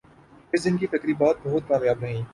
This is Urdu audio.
اس دن کی تقریبات بہت کامیاب رہیں ۔